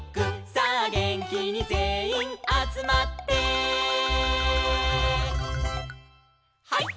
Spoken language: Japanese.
「さあげんきにぜんいんあつまって」「ハイ！